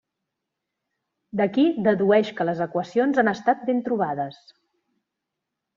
D'aquí dedueix que les equacions han estat ben trobades.